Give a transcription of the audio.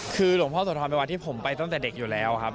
คือหลวงพ่อโสธรเป็นวันที่ผมไปตั้งแต่เด็กอยู่แล้วครับ